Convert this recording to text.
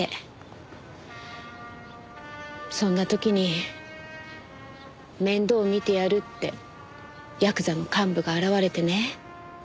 そんな時に面倒見てやるってヤクザの幹部が現れてね。